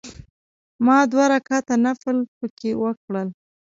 ما دوه رکعته نفل په کې وکړل.